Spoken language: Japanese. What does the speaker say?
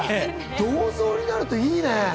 銅像になるといいね。